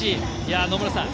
野村さん